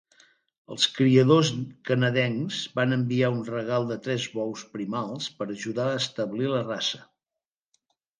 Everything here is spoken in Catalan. Els criadors canadencs van enviar un regal de tres bous primals per ajudar a establir la raça.